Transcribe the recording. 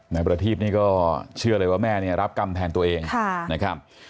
นายประทีพนี่ก็เชื่อเลยว่าแม่เนี่ยรับกรรมแทนตัวเองนะครับ